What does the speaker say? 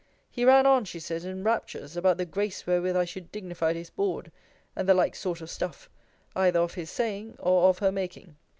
He ran on, she says, in raptures, about the grace wherewith I should dignify his board; and the like sort of stuff, either of his saying, or of her making.